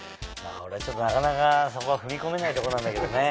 俺はなかなかそこは踏み込めないとこなんだけどね。